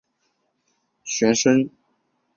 耿弇之弟耿国的玄孙。